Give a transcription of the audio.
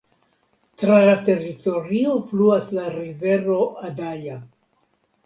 Tra la teritorio fluas la rivero Adaja.